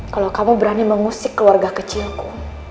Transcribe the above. kalau kamu berani mengusik keluarga kecilku